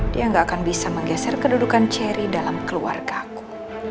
dia gak akan bisa menggeser kedudukan cherry dalam keluargaku